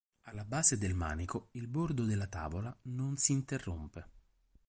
Alla base del manico il bordo della tavola non si interrompe.